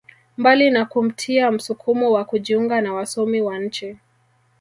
Mbali na kumtia msukumo wa kujiunga na wasomi wa nchi